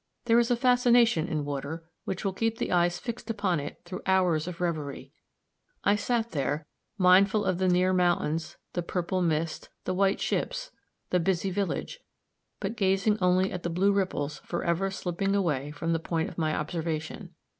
There is a fascination in water which will keep the eyes fixed upon it through hours of reverie; I sat there, mindful of the near mountains, the purple mist, the white ships, the busy village, but gazing only at the blue ripples forever slipping away from the point of my observation.